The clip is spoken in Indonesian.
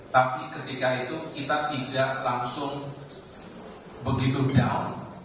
tapi ketika itu kita tidak langsung begitu jauh